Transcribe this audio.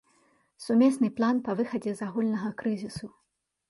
Сумесны план па выхадзе з агульнага крызісу.